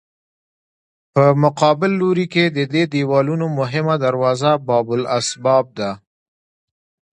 په مقابل لوري کې د دې دیوالونو مهمه دروازه باب الاسباب ده.